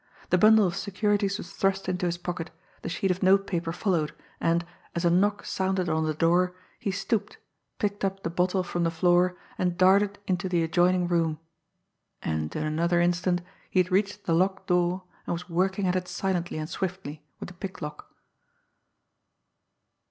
The bundle of securities was thrust into his pocket, the sheet of note paper followed, and, as a knock sounded on the door, he stooped, picked up the bottle from the floor, and darted into the adjoining room and in another instant he had reached the locked door and was working at it silently and swiftly with a picklock.